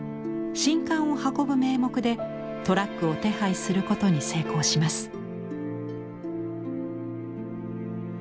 「宸翰」を運ぶ名目でトラックを手配することに成功します。